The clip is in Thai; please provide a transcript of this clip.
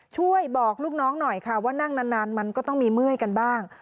ช่วยบอกลูกน้องหน่อยค่ะว่านั่งนานมันก็ต้องมีเมื่อยกันบ้าง